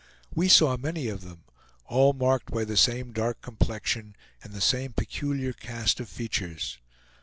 We saw many of them, all marked by the same dark complexion and the same peculiar cast of features.